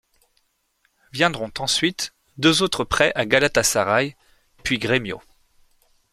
Viendront ensuite deux autres prêts à Galatasaray puis Gremio.